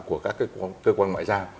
của các cơ quan ngoại giao